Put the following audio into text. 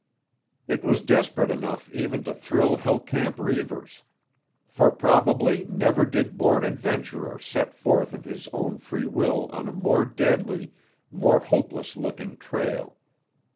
It was desperate enough even to thrill Hell Camp Reivers. For probably never did born adventurer set forth of his own free will on a more deadly, more hopeless looking trail.